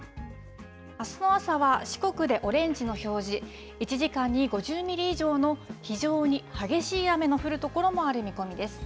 あすの朝は四国でオレンジの表示、１時間に５０ミリ以上の非常に激しい雨の降る所もある見込みです。